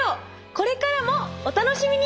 これからもお楽しみに！